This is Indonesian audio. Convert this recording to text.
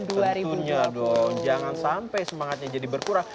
tentunya dong jangan sampai semangatnya jadi berkurang